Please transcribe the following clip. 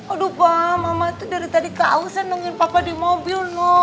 aduh pa mama tuh dari tadi keausan nungguin papa di mobil no